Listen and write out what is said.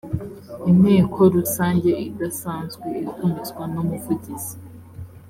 inteko rusange idasanzwe itumizwa n umuvugizi